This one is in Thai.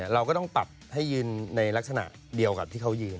เราก็ต้องปรับให้ยืนในลักษณะเดียวกับที่เขายืน